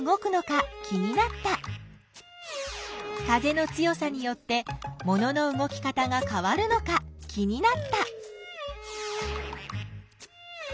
風の強さによってものの動き方がかわるのか気になった。